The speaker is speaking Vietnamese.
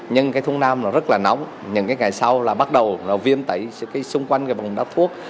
nhưng thuốc nam rất là nóng những ngày sau bắt đầu viêm tẩy xung quanh bằng đá thuốc